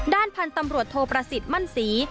ด้านพันธุ์ตำรวจโทประสิทธิ์มั่นศรี